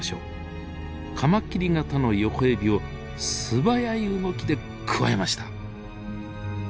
カマキリ型のヨコエビを素早い動きでくわえました。